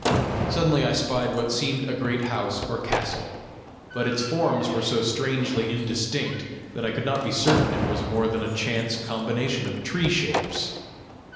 Suddenly I spied what seemed a great house or castle; but its forms were so strangely indistinct, that I could not be certain it was more than a chance combination of tree shapes.